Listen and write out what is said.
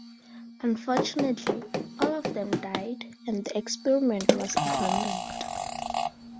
Unfortunately, all of them died, and the experiment was abandoned.